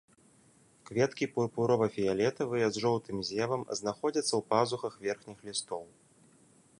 Кветкі пурпурова-фіялетавыя, з жоўтым зевам, знаходзяцца ў пазухах верхніх лістоў.